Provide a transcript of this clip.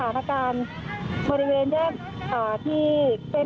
เพราะตอนนี้ก็ไม่มีเวลาให้เข้าไปที่นี่